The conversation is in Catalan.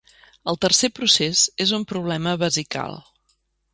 El tercer procés és un problema vesical.